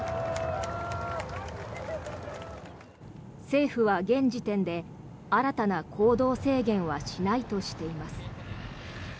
政府は現時点で新たな行動制限はしないとしています。